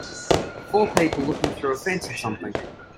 Four people looking through a fence at something.